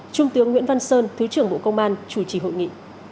trung tướng nguyễn văn sơn thứ trưởng bộ công an chủ trì hội nghị